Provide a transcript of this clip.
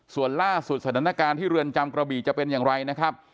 ส่วนล่าสุดสถานการณ์ที่เรือนจำกระบี่จะเป็นอย่างไรนะครับ